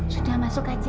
sudah masuk aja